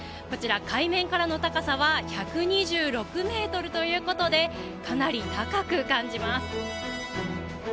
海面からの高さは１２６ｍということでかなり高く感じます。